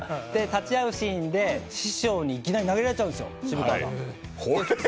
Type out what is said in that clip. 立ち会うシーンで師匠にいきなり投げられるんですよ、渋川が。